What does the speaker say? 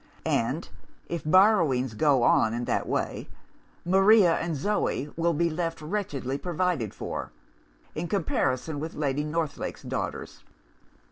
And, if borrowings go on in that way, Maria and Zoe will be left wretchedly provided for, in comparison with Lady Northlake's daughters.